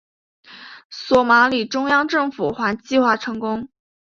索马里中央政府还计划成立。